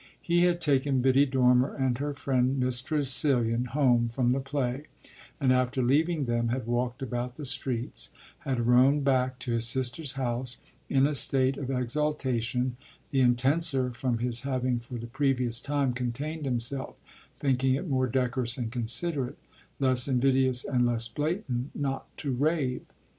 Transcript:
He had taken Biddy Dormer and her friend Miss Tressilian home from the play and after leaving them had walked about the streets, had roamed back to his sister's house, in a state of exaltation the intenser from his having for the previous time contained himself, thinking it more decorous and considerate, less invidious and less blatant, not to "rave."